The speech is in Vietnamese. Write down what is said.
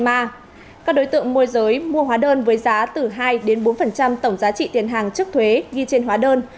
các đối tượng mua hóa đơn với giá từ hai đến bốn tổng giá trị tiền hàng trước thuế ghi trên hóa đơn